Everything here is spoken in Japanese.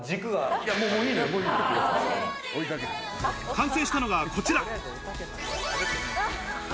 完成したのがこちら。